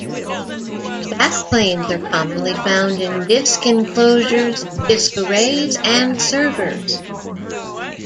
Backplanes are commonly found in disk enclosures, disk arrays, and servers.